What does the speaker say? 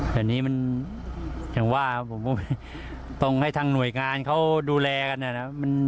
แต่นี่มันอย่างว่าผมต้องให้ทางหน่วยงานเขาดูแลกันนะครับ